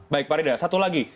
baik pak ridah satu lagi